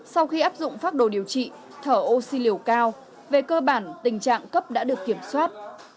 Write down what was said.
sau khi áp dụng phác đồ điều trị thở oxy liều cao về cơ bản tình trạng cấp đã được kiểm soát